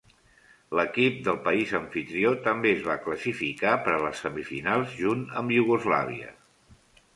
L'equip del país amfitrió també es va classificar per a les semifinals junt amb Iugoslàvia.